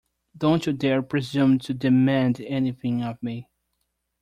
Don't you dare presume to demand anything of me!